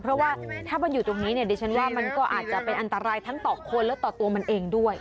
เพราะว่าถ้ามันอยู่ตรงนี้เนี่ยดิฉันว่ามันก็อาจจะเป็นอันตรายทั้งต่อคนและต่อตัวมันเองด้วย